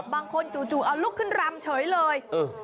บางคนจู่เอาลูกขึ้นรำเฉยเลย